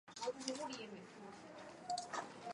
曾经长期是沟通圣路易斯都会圈的唯一的交通要道。